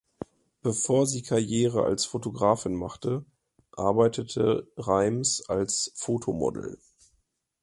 Bevor sie Karriere als Fotografin machte, arbeitete Rheims als Fotomodel.